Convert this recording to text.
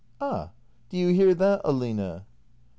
Ah, do you hear that, Aline